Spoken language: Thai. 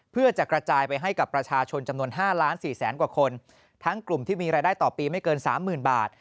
เพื่อจะกระจายไปให้กับประชาชนจำนวน๕ล้านสี่แสนกว่าคนทั้งกลุ่มที่มีรายได้ต่อปีไม่เกินสามหมื่นบาท